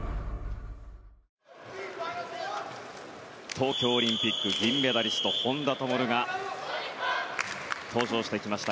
東京オリンピック銀メダリスト、本多灯が登場してきました